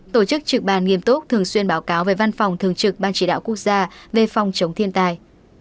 tổ chức trực bàn nghiêm túc thường xuyên báo cáo về văn phòng thường trực ban chỉ đạo quốc gia về phòng chống thiên tai